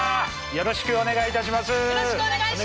よろしくお願いします！